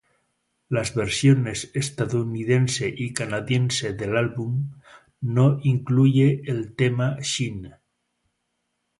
Las versiones Estadounidense y Canadiense del álbum, no incluye el tema "Shine".